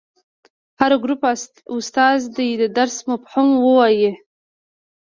د هر ګروپ استازي دې د درس مفهوم ووايي.